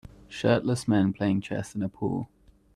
Shirtless men playing chess in a pool.